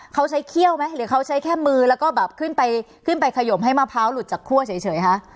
เขาใช้เขี้ยวไหมหรือเขาใช้แค่มือแล้วก็แบบขึ้นไปขึ้นไปขยมให้มะพร้าวหลุดจากคั่วเฉยคะ